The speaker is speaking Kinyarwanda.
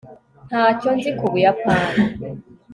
ntacyo nzi ku buyapani